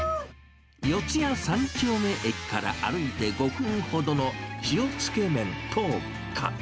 四谷三丁目駅から歩いて５分ほどの塩つけ麺灯花。